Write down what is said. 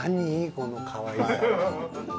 このかわいさは。